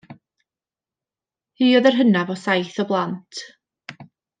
Hi oedd yr hynaf o saith o blant.